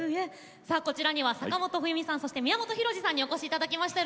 さあこちらには坂本冬美さんそして宮本浩次さんにお越しいただきました。